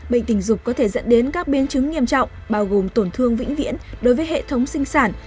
bệnh tình dục có thể dẫn đến các biến chứng nghiêm trọng bao gồm tổn thương vĩnh viễn đối với hệ thống sinh sản